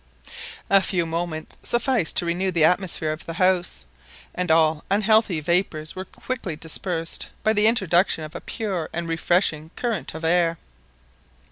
A few moments sufficed to renew the atmosphere of the house, and all unhealthy vapours were quickly dispersed by the introduction of a pure and refreshing current of air.